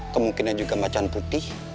kemungkinan juga macan putih